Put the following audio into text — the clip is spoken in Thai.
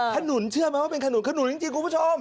ขนุนเชื่อไหมว่าเป็นขนุนขนุนจริงคุณผู้ชม